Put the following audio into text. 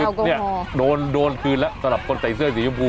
ต็อแรกต้องเต็มไกรแล้วตาลับคนไต้เสื้อสีโยมพู